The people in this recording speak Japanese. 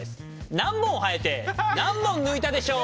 何本生えて何本抜いたでしょう。